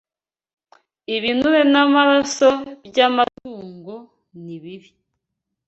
Ibinure n’Amaraso by’Amatungo nibibi